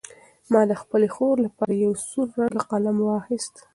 ما د خپلې خور لپاره یو سور رنګه قلم واخیست.